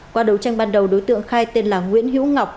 qua đấu tranh ban đầu đối tượng khai tên là nguyễn hữu ngọc